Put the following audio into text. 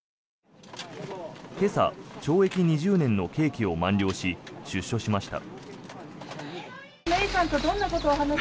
今朝、懲役２０年の刑期を満了し出所しました。